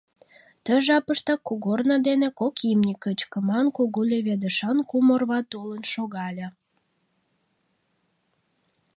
Ты жапыштак кугорно дене кок имне кычкыман кугу леведышан кум орва толын шогале.